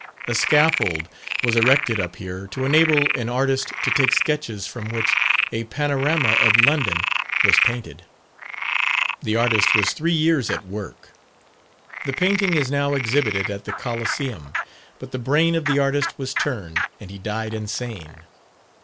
A scaffold was erected up here to enable an artist to take sketches from which a panorama of London was painted. The artist was three years at work. The painting is now exhibited at the Colosseum; but the brain of the artist was turned, and he died insane!